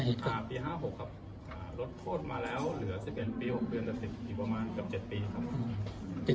อ่าปีห้าหกครับอ่าลดโทษมาแล้วเหลือสิบเอ็นต์ปีหกเดือนตัดสิบ